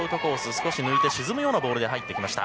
少し抜いて沈むようなボールで入ってきました。